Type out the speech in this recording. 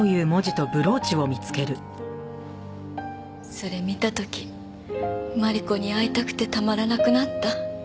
それ見た時マリコに会いたくてたまらなくなった。